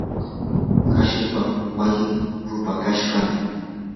hashipa wasin rupakashqam.